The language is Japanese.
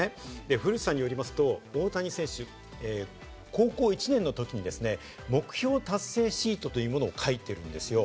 古内さんによりますと大谷選手、高校１年の時に目標達成シートというものを書いているんですよ。